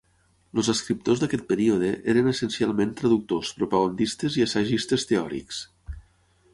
Els escriptors d'aquest període eren essencialment traductors, propagandistes i assagistes teòrics.